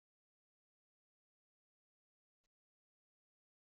Imar-nni, yettuɣ lac rradio.